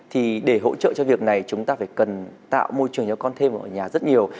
thì để hỗ trợ cho việc này chúng ta phải cần tạo môi trường cho con thêm ở nhà rất nhiều